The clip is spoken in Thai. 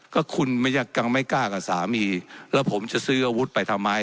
ก็คุณยังไม่กล้ากับสามีแล้วผมจะซื้ออาวุธไปทำไม